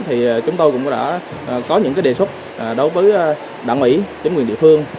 thì chúng tôi cũng đã có những đề xuất đối với đảng ủy chính quyền địa phương